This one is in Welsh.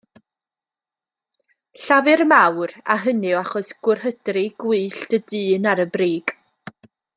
Llafur mawr, a hynny o achos gwrhydri gwyllt y dyn ar y brig!